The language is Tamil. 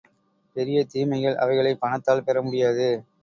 பெரிய தீமைகள் அவைகளைப் பணத்தால் பெற முடியாது.